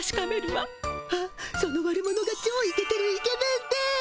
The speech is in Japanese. あっその悪者がちょうイケてるイケメンで。